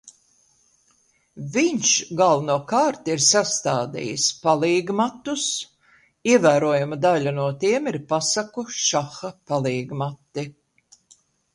Viņš galvenokārt ir sastādījis palīgmatus, ievērojama daļa no tiem ir pasaku šaha palīgmati.